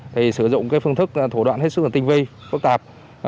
thì sử dụng phương thức thủ đoạn hết sức là tinh vi phức tạp